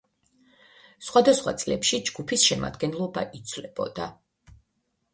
სხვადასხვა წლებში ჯგუფის შემადგენლობა იცვლებოდა.